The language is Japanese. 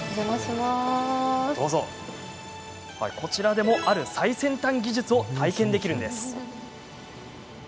こちらでも、ある最先端技術を体験できるんです。